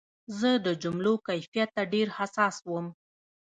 زه د جملو کیفیت ته ډېر حساس وم.